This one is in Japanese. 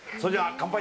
乾杯！